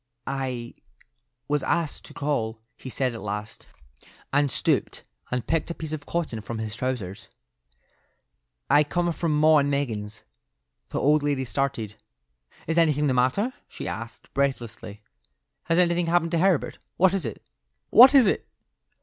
"I—was asked to call," he said at last, and stooped and picked a piece of cotton from his trousers. "I come from 'Maw and Meggins.'" The old lady started. "Is anything the matter?" she asked, breathlessly. "Has anything happened to Herbert? What is it? What is it?"